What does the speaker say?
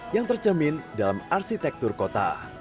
yang tercermin dalam arsitektur kota